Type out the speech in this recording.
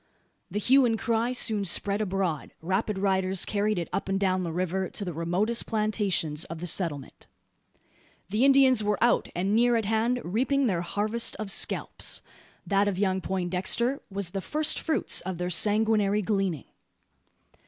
The hue and cry soon spread abroad. Rapid riders carried it up and down the river, to the remotest plantations of the settlement. The Indians were out, and near at hand, reaping their harvest of scalps! That of young Poindexter was the firstfruits of their sanguinary gleaning!